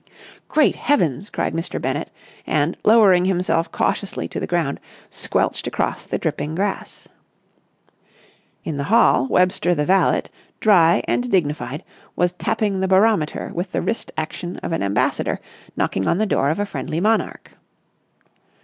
"Great Heavens!" cried Mr. Bennett, and, lowering himself cautiously to the ground, squelched across the dripping grass. In the hall, Webster the valet, dry and dignified, was tapping the barometer with the wrist action of an ambassador knocking on the door of a friendly monarch.